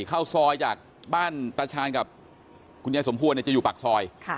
เข้าซอยจากบ้านตาชาญกับคุณยายสมควรจะอยู่ปากซอย